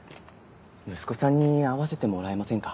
息子さんに会わせてもらえませんか？